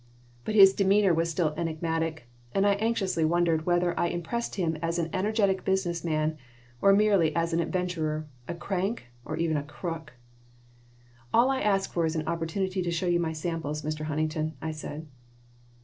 But his demeanor was still enigmatic, and I anxiously wondered whether I impressed him as an energetic business man or merely as an adventurer, a crank, or even a crook "All I ask for is an opportunity to show you my samples, Mr. Huntington," I said.